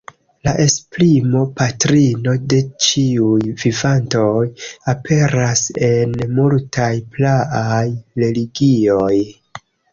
La esprimo "patrino de ĉiuj vivantoj" aperas en multaj praaj religioj.